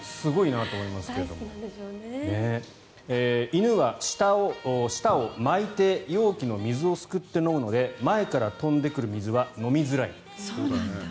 犬は舌を巻いて容器の水をすくって飲むので前から飛んでくる水は飲みづらい。